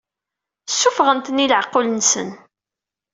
Ssuffɣen-ten i leɛqul-nsen.